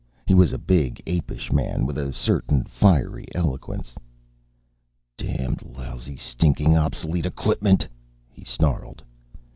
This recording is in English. He was a big, apish man, with a certain fiery eloquence. "Damned, lousy, stinkin' obsolete equipment!" he snarled.